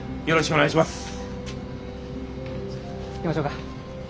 じゃあ行きましょうか。